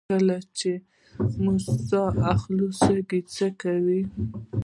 کله چې موږ ساه اخلو سږي څه کوي